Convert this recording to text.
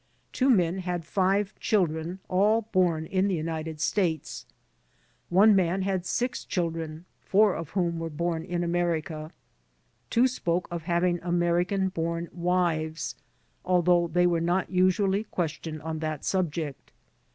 Two men had 5 children, all born in the United States. One man had 6 children, 4 of whom were bom in Amer ica; 2 spoke of having American bom wives, although they were not usually questioned on that subject.